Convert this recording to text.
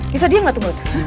bisa diam gak tuh bu